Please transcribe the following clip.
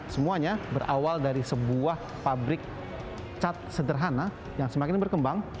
semuanya berawal dari sebuah pabrik cat sederhana yang semakin berkembang